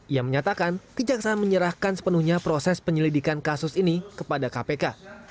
ia menyatakan kejaksaan menyerahkan sepenuhnya proses penyelidikan kasus ini kepada kpk